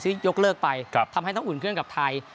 ที่ยกเลิกไปครับทำให้เต้าอุ่นเพื่อนกับไทย